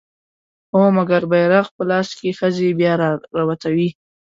هو! مګر بيرغ په لاس که ښځې بيا راووتې